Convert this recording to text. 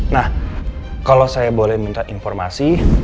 nah kalau saya boleh minta informasi